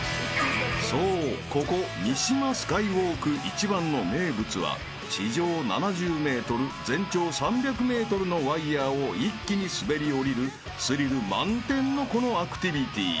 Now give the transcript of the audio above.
［そうここ三島スカイウォーク一番の名物は地上７０ｍ全長３００ｍのワイヤを一気に滑り降りるスリル満点のこのアクティビティ］